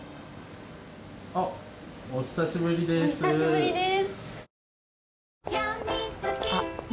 お久しぶりです。